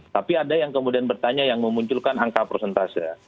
tapi ada yang kemudian bertanya yang memunculkan angka prosentase